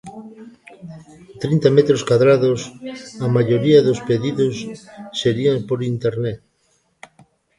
Trinta metros cadrados, a maioría dos pedidos serían por internet.